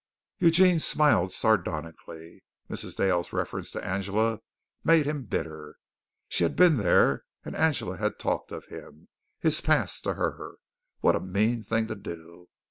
Eugene smiled sardonically. Mrs. Dale's reference to Angela made him bitter. She had been there and Angela had talked of him his past to her. What a mean thing to do.